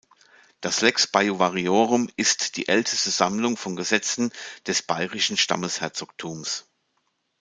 Das Lex Baiuvariorum ist die älteste Sammlung von Gesetzen des bairischen Stammesherzogtums.